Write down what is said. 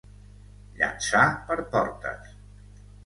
Llançar per portes.